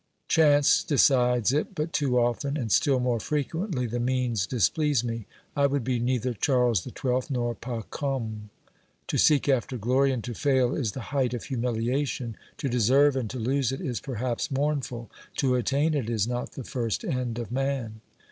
Chance decides it but too often, and still more frequently the means displease me. I would be neither Charles XII. nor Pacome. To seek after glory and to fail is the height of humiliation ; to deserve and to lose it is perhaps mournful ; to attain it is not the first end of man.